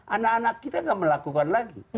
anak anak kita gak melakukan lagi